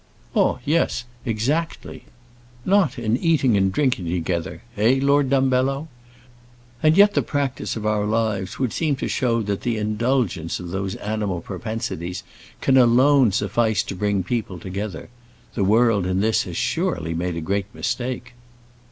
"Aw, yes, exactly." "Not in eating and drinking together eh, Lord Dumbello? And yet the practice of our lives would seem to show that the indulgence of those animal propensities can alone suffice to bring people together. The world in this has surely made a great mistake."